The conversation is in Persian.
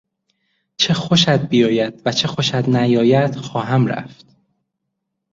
چه خوشت بیاید و چه خوشت نیاید خواهم رفت.